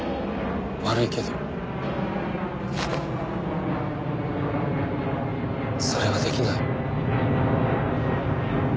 悪いけどそれはできない。